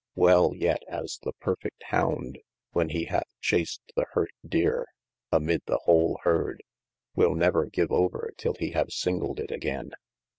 Well yet as the perfect hound, when he hath chased the hurt deere, amidde the whole heard, will never give over till he have singled it againe.